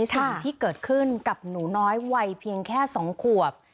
สิ่งที่เกิดขึ้นกับหนูน้อยวัยเพียงแค่๒ขวบ